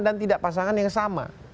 dan tidak pasangan yang sama